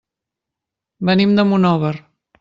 Venim de Monòver.